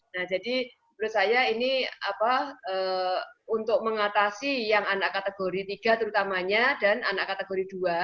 nah jadi menurut saya ini untuk mengatasi yang anak kategori tiga terutamanya dan anak kategori dua